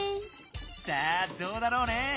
さあどうだろうね。